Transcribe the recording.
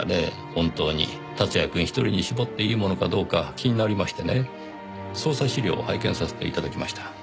本当に竜也くん１人に絞っていいものかどうか気になりましてね捜査資料を拝見させて頂きました。